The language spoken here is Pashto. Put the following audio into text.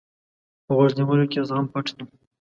په غوږ نیولو کې زغم پټ دی.